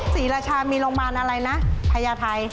ศรีราชามีโรงบาลอะไรนะภัยาไทย